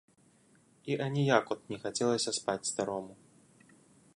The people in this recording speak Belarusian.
І аніяк от не хацелася спаць старому.